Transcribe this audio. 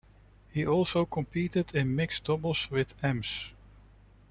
He also competed in mixed doubles with Emms.